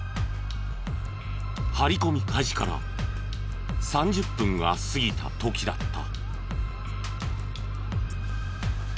張り込み開始から３０分が過ぎた時だった。